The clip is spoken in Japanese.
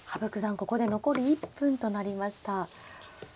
ここで残り１分となりました。